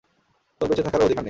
তোর বেঁচে থাকারও অধিকার নেই!